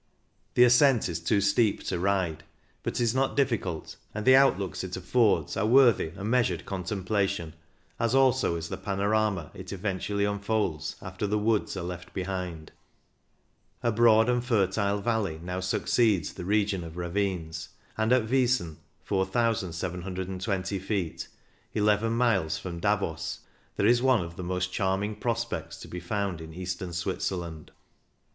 The ascent is too steep to ride, but is not difficult, and the outlooks it affords are worthy a measured contem plation, as also is the panorama it eventu ally unfolds after the woods are left behind. A broad and fertile valley now succeeds the region of ravines, and at Wiesen (4,720 ft), II miles from Davos, there is one of the most charming prospects to be found in eastern Switzerland.